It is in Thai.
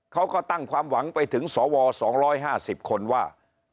เขาก็ตั้งความหวังไปถึงสวสองร้อยห้าสิบคนว่า